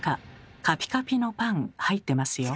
カピカピのパン入ってますよ。